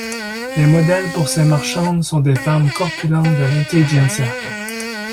Les modèles pour ses marchandes sont des femmes corpulentes de l'intelligentsia.